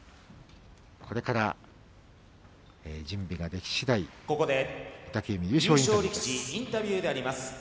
これから準備ができしだい御嶽海、優勝インタビューです。